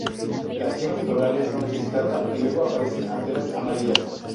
Las yemas florales son gris plata, y luego aparecen anteras amarillas.